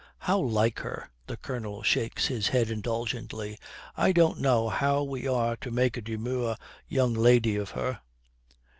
'How like her!' The Colonel shakes his head indulgently. 'I don't know how we are to make a demure young lady of her.'